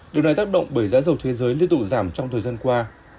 điều này tác động bởi giá dầu thế giới liên tục giảm trong thời gian qua